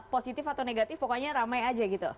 positif atau negatif pokoknya ramai aja gitu